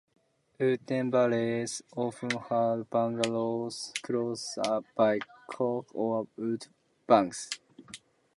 Wooden Barrels often had bungholes closed by cork or wood bungs.